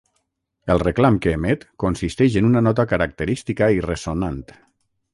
El reclam que emet consisteix en una nota característica i ressonant.